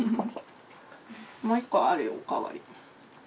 もう一個あるよおかわり。